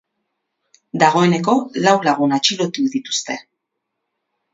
Dagoeneko lau lagun atxilotu dituzte.